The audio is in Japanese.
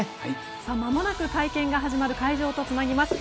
まもなく会見が始まる会場とつなぎます。